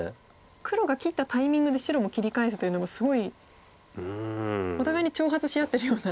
黒が切ったタイミングで白も切り返すというのもすごいお互いに挑発し合ってるような。